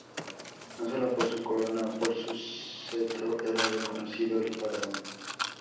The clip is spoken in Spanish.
No solo por su corona o por su cetro era reconocido el faraón.